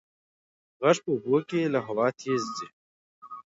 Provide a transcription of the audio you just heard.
غږ په اوبو کې له هوا تېز ځي.